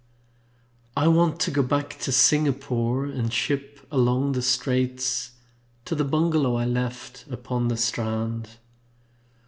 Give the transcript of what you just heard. I want to go back to Singapore And ship along the Straits To the bungalow I left upon the strand.